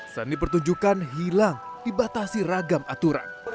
seni pertunjukan hilang dibatasi ragam aturan